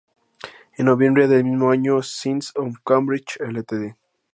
En noviembre del mismo año Science of Cambridge Ltd.